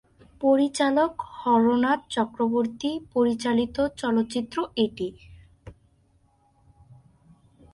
পরিচালক হরনাথ চক্রবর্তী পরিচালিত চলচ্চিত্র এটি।